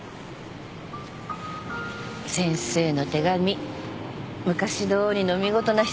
先生の手紙昔どおりの見事な筆跡だった。